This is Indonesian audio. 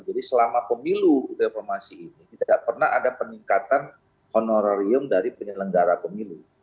jadi selama pemilu reformasi ini tidak pernah ada peningkatan honorarium dari penyelenggara pemilu